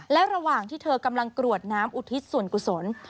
และระหว่างที่เธอกำลังกรวดน้ำอุทิศส่วนกุศล